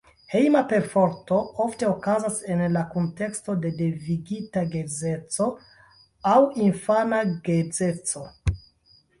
Hejma perforto ofte okazas en la kunteksto de devigita geedzeco aŭ infana geedzeco.